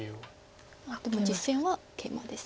でも実戦はケイマです。